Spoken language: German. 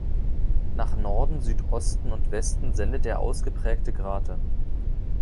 Nach Norden, Südosten und Westen sendet er ausgeprägte Grate.